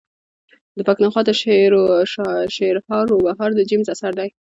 د پښتونخوا د شعرهاروبهار د جيمز اثر دﺉ.